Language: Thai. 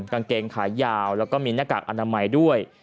กางเกงขายาวแล้วก็มีหน้ากากอนามัยด้วย